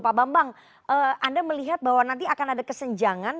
pak bambang anda melihat bahwa nanti akan ada kesenjangan